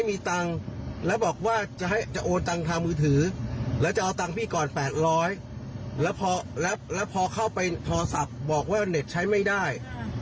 มีตังค์ทางมือถือแล้วจะเอาตังค์พี่ก่อน๘๐๐แล้วพอเข้าไปโทรศัพท์บอกว่าเน็ตใช้ไม่ได้